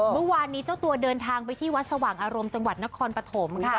เมื่อวานนี้เจ้าตัวเดินทางไปที่วัดสว่างอารมณ์จังหวัดนครปฐมค่ะ